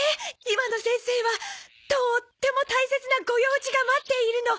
今の先生はとっても大切なご用事が待っているの。